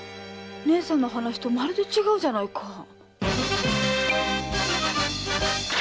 義姉さんの話とまるで違うじゃないか。